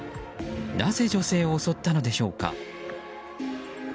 なぜ女性を襲ったのでしょうか。